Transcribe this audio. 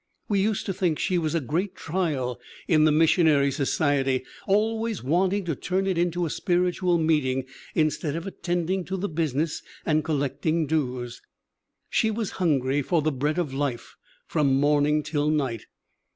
We used to think she was a great trial in the missionary society, always wanting to turn it into a spiritual meeting instead of attending to the business and collecting dues. She was hungry for the bread of life from morning till night.